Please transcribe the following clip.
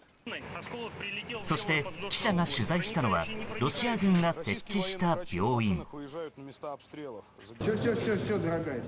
そして記者が取材したのはロシア軍が設置した病院。